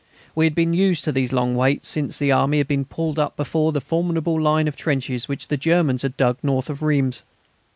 We had been used to these long waits since the army had been pulled up before the formidable line of trenches which the Germans had dug north of Reims.